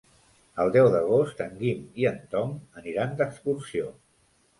El deu d'agost en Guim i en Tom aniran d'excursió.